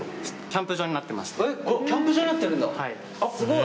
キャンプ場になってるんだすごい。